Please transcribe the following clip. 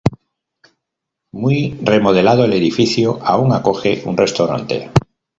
Muy remodelado, el edificio aún acoge un restaurante.